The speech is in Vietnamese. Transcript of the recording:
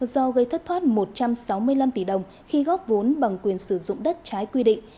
do gây thất thoát một trăm sáu mươi năm tỷ đồng khi góp vốn bằng quyền sử dụng đất trái quy định